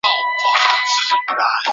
清兵潜渡城河。